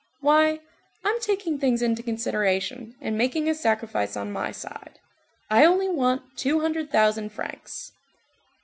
Why, I'm taking things into consideration and making a sacrifice on my side. I only want two hundred thousand francs."